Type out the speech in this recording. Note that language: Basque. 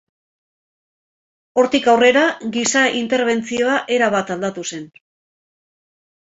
Hortik aurrera giza-interbentzioa erabat aldatu zen.